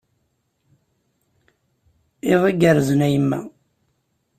Iḍ igerrzen a yemma!